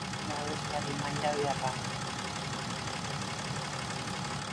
Hunkitu egin da abeslari mallabiarra.